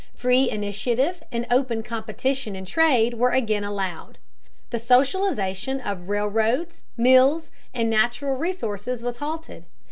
Free initiative and open competition in trade were again allowed. The socialization of railroads, mills, and natural resources was halted.